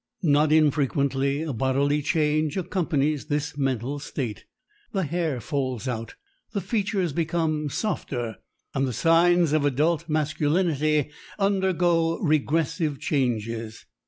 Not infrequently a bodily change accompanies this mental state. The hair falls out, the features become softer, and the signs of adult masculinity undergo regressive changes.